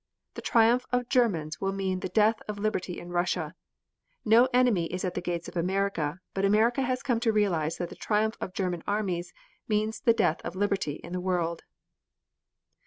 The triumph of Germans will mean the death of liberty in Russia. No enemy is at the gates of America, but America has come to realize that the triumph of German arms means the death of Liberty in the world."